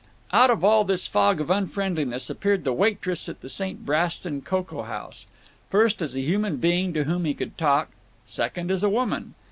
Out of all this fog of unfriendliness appeared the waitress at the St. Brasten Cocoa House; first, as a human being to whom he could talk, second, as a woman.